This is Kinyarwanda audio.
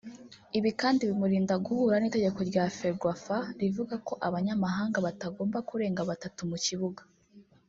Ibi kandi bimurinda guhura n’itegeko rya Ferwafa rivuga ko Abanyamahanga batagomba kurenga batatu mu kibuga